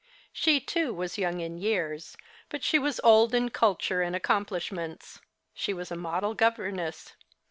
She, too, was young in years ; but she was old in culture and accomplishments. She was a model governess.